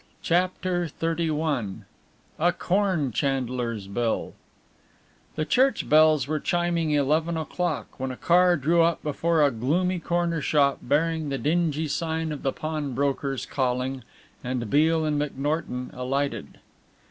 CHAPTER XXXI A CORN CHANDLER'S BILL The church bells were chiming eleven o'clock when a car drew up before a gloomy corner shop, bearing the dingy sign of the pawnbroker's calling, and Beale and McNorton alighted.